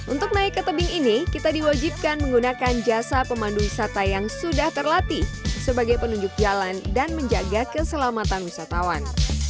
untuk naik ke tebing ini kita diwajibkan menggunakan jasa pemandu wisata yang sudah terlatih sebagai penunjuk jalan dan menjaga keselamatan wisatawan